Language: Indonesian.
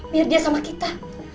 biar dia sama kita